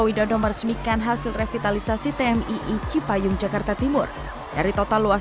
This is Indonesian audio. widodo meresmikan hasil revitalisasi tmi iji payung jakarta timur dari total luas